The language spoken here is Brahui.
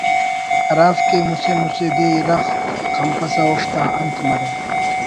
ہرافک کہ مسہ مسہ دے اِرغ خنپسہ اوفتا انت مرو